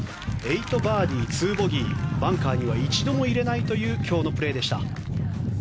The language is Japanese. ８バーディー、２ボギーバンカーには一度も入れないという今日のプレーでした。